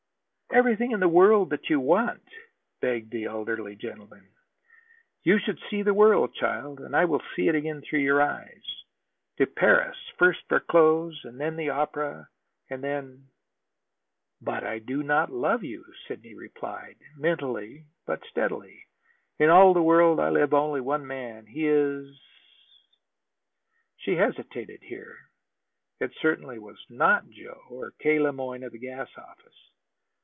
"Everything in the world that you want," begged the elderly gentleman. "You should see the world, child, and I will see it again through your eyes. To Paris first for clothes and the opera, and then " "But I do not love you," Sidney replied, mentally but steadily. "In all the world I love only one man. He is " She hesitated here. It certainly was not Joe, or K. Le Moyne of the gas office.